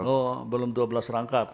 oh belum dua belas rangkap